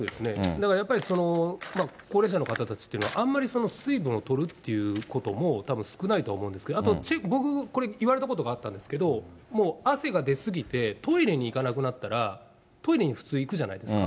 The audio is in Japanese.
だからやっぱり、高齢者の方たちっていうのは、あんまり水分を取るということもたぶん少ないと思うんですけど、あと僕、これ言われたことがあるんですけど、もう汗が出過ぎて、トイレに行かなくなったら、トイレに普通行くじゃないですか。